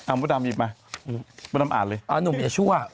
มดดำหยิบมามดดำอ่านเลยอ่าหนุ่มอย่าชั่ว